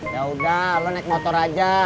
yaudah lo naik motor aja